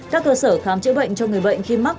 các cơ sở khám chữa bệnh cho người bệnh khi mắc